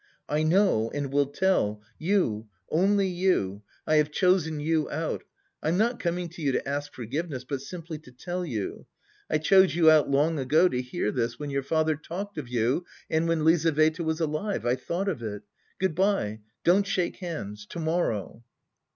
"I know and will tell... you, only you. I have chosen you out. I'm not coming to you to ask forgiveness, but simply to tell you. I chose you out long ago to hear this, when your father talked of you and when Lizaveta was alive, I thought of it. Good bye, don't shake hands. To morrow!"